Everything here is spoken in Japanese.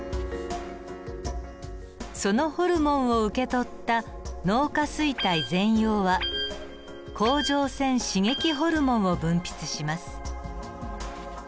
そのホルモンを受け取った脳下垂体前葉は甲状腺刺激ホルモンを分泌します。